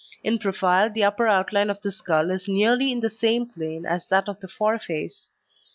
In profile the upper outline of the skull is nearly in the same plane as that of the foreface.